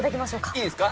いいんすか？